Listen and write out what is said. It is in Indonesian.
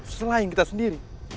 selain kita sendiri